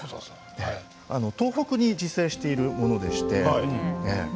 東北に自生しているものでして。